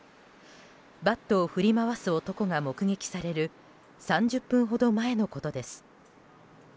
バットを振り回す男が目撃される３０分ほど前のことです。